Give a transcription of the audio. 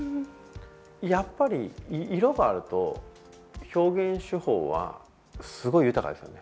やっぱり、色があると表現手法はすごい豊かですよね。